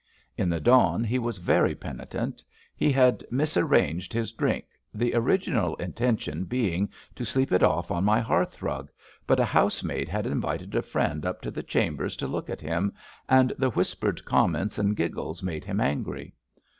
In the dawn he was very penitent. He had misarranged his drink : the original intention be THE NEW DISPENSATION— n 295 ing to sleep it off on my hearth rug, but a house maid had invited a friend up to the chambers to look at him, and the whispered comments and giggles made him angry.